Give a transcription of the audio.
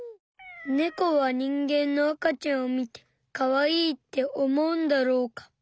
ネコは人間のあかちゃんを見てかわいいって思うんだろうか？